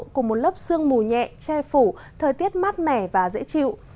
cùng một lớp sương mù nhẹ che phủ thời tiết mát mẻ và dễ chịu